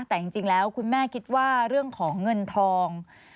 แต่จริงแล้วคุณแม่คิดว่าเรื่องของเงินทอง